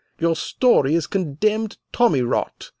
Your story is condemned tommy rot.